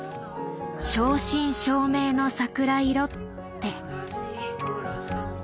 「正真正銘の桜色」って。